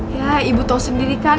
ya ibu tahu sendiri kan